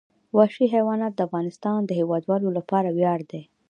وحشي حیوانات د افغانستان د هیوادوالو لپاره ویاړ دی.